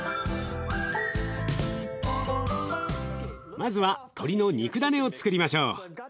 まずは鶏の肉だねをつくりましょう。